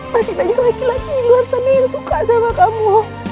masih banyak laki laki di luar sana yang suka sama kamu